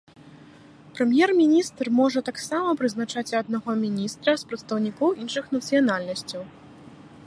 Прэм'ер-міністр можа таксама прызначыць аднаго міністра з прадстаўнікоў іншых нацыянальнасцяў.